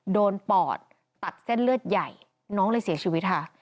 ปอดตัดเส้นเลือดใหญ่น้องเลยเสียชีวิตค่ะ